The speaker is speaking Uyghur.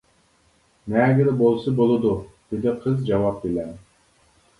-نەگىلا بولسا بولىدۇ، -دېدى قىز جاۋاب بىلەن.